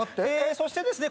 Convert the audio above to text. そしてですね